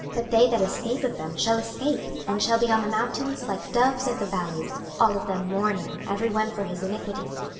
26:007:016 But they that escape of them shall escape, and shall be on the mountains like doves of the valleys, all of them mourning, every one for his iniquity.